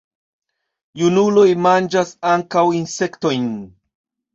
Junuloj manĝas ankaŭ insektojn.